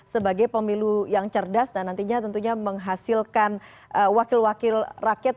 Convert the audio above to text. sebagai pemilu yang cerdas dan nantinya tentunya menghasilkan wakil wakil rakyat